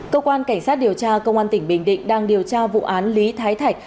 cơ quan cảnh sát điều tra công an tỉnh bình định đang điều tra vụ án lý thái thạch